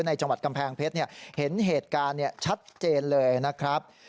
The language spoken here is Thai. จังหวัดกำแพงเพชรเห็นเหตุการณ์ชัดเจนเลยนะครับ